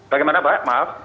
bagaimana pak maaf